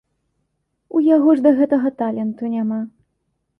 У яго ж да гэтага таленту няма.